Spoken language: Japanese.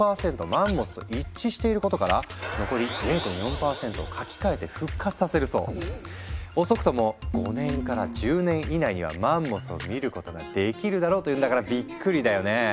マンモスと一致していることから「遅くとも５年から１０年以内にはマンモスを見ることができるだろう」というんだからびっくりだよね！